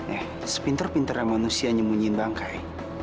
eh sepinter pinternya manusia nyemunyiin bangkai